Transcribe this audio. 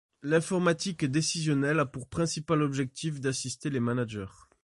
L'informatique décisionnelle a pour principal objectif d’assister les managers.